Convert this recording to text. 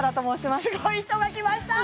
すごい人が来ました！